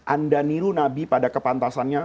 anda niru nabi pada kepantasannya